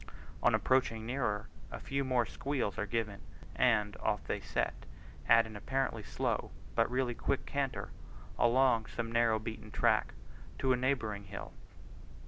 On approaching nearer, a few more squeals are given, and off they set at an apparently slow, but really quick canter, along some narrow beaten track to a neighbouring hill.